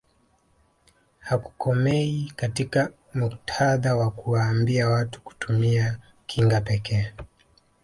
Hakukomei katika muktadha wa kuwaambia watu kutumia kinga pekee